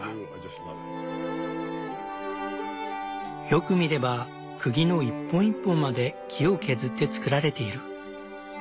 よく見ればくぎの一本一本まで木を削ってつくられている。